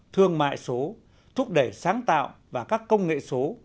thương mại số thúc đẩy sáng tạo và các công nghệ số